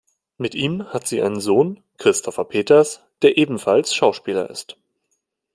Mit ihm hat sie einen Sohn, Christopher Peters, der ebenfalls Schauspieler ist.